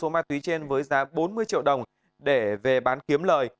số ma túy trên với giá bốn mươi triệu đồng để về bán kiếm lời